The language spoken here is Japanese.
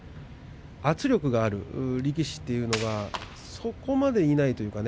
圧力がある力士というのがそこまでいないというかね。